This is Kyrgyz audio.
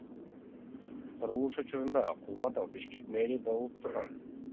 Курулуш учурунда Кулматов Бишкек мэри болуп турган.